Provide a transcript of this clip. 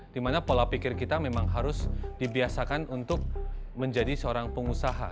dimana pola pikir kita memang harus dibiasakan untuk menjadi seorang pengusaha